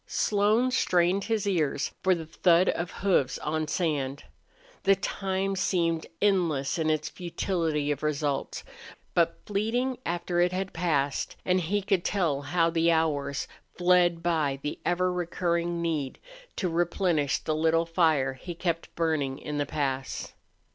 Slone strained his ears for the thud of hoofs on sand. The time seemed endless in its futility of results, but fleeting after it had passed; and he could tell how the hours fled by the ever recurring need to replenish the little fire he kept burning in the pass.